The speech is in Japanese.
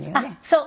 そう！